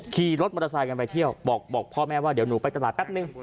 ขี่รถมอเตอร์ไซค์กันไปเที่ยวบอกพ่อแม่ว่าเดี๋ยวหนูไปตลาดแป๊บนึง